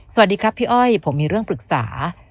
สวัสดีครับพี่อ้อยผมมีเรื่องปรึกษา